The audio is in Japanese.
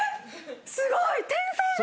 すごい天才だ！